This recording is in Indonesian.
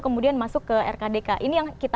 kemudian masuk ke rkdk ini yang kita